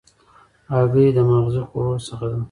هګۍ د مغذي خوړو څخه ده.